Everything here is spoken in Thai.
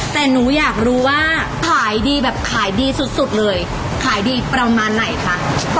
แต่หนูอยากรู้ว่าขายดีแบบขายดีสุดสุดเลยขายดีประมาณไหนคะ